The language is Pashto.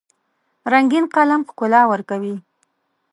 رنګین قلم ښکلا ورکوي.